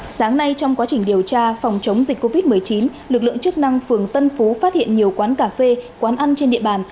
sáng nay trong quá trình điều tra phòng chống dịch covid một mươi chín lực lượng chức năng phường tân phú phát hiện nhiều quán cà phê quán ăn trên địa bàn